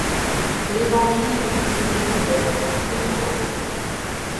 L'Evangile des prisonniers de guerre, Fribourg.